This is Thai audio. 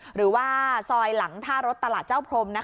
หรือว่าซอยหลังท่ารถตลาดเจ้าพรม